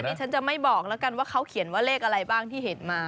นี่ฉันจะไม่บอกแล้วกันว่าเขาเขียนว่าเลขอะไรบ้างที่เห็นมา